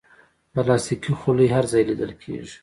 پلاستيکي خولۍ هر ځای لیدل کېږي.